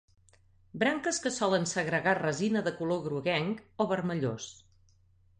Branques que solen segregar resina de color groguenc o vermellós.